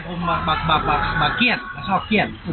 ผมแบบเกรียดชอบเกรียด